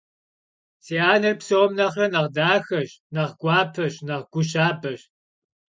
Си анэр псом нэхърэ нэхъ дахэщ, нэхъ гуапэщ, нэхъ гу щабэщ.